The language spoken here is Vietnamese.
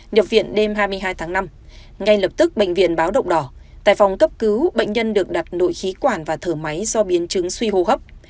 nhập viện đêm hai mươi hai tháng năm ngay lập tức bệnh viện báo động đỏ tại phòng cấp cứu bệnh nhân được đặt nội khí quản và thở máy do biến chứng suy hô hấp